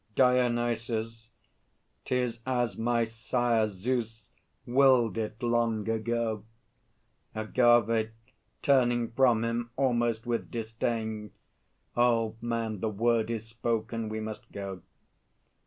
DIONYSUS. 'Tis as my sire, Zeus, willed it long ago. AGAVE (turning from him almost with disdain). Old Man, the word is spoken; we must go.